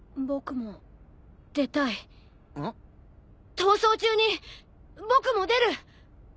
逃走中に僕も出る！